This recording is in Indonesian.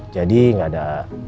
jadi gak ada